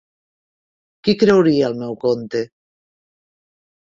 Qui creuria el meu conte?